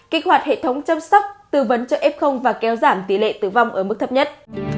kích hoạt hệ thống chăm sóc tư vấn cho f và kéo giảm tỷ lệ tử vong ở mức thấp nhất